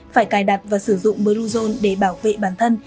phải cài đặt và sử dụng bluezone để bảo vệ bản thân